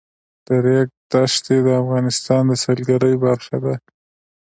د ریګ دښتې د افغانستان د سیلګرۍ برخه ده.